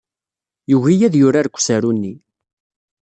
Yugi ad d-yurar deg usaru-nni.